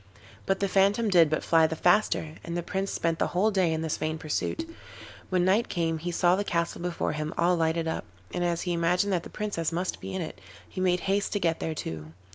But the phantom did but fly the faster, and the Prince spent the whole day in this vain pursuit. When night came he saw the castle before him all lighted up, and as he imagined that the Princess must be in it, he made haste to get there too.